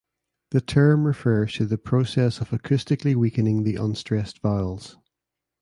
The term refers to the process of acoustically weakening the unstressed vowels.